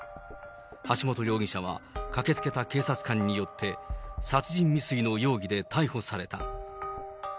橋本容疑者は駆けつけた警察官によって、殺人未遂の容疑で逮捕された。